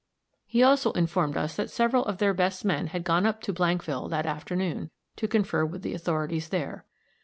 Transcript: He also informed us that several of their best men had gone up to Blankville that afternoon to confer with the authorities there.